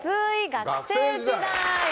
学生時代！